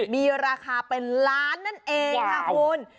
มีราคาเป็นล้านนั่นเองค่ะคุณ